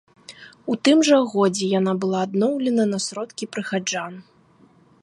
У тым жа годзе яна была адноўлена на сродкі прыхаджан.